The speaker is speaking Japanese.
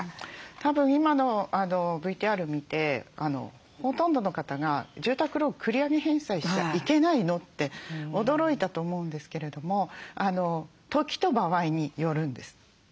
たぶん今のＶＴＲ見てほとんどの方が住宅ローン繰り上げ返済しちゃいけないの？って驚いたと思うんですけれども時と場合によるんです。